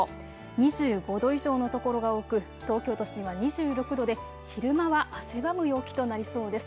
２５度以上の所が多く東京都心は２６度で昼間は汗ばむ陽気となりそうです。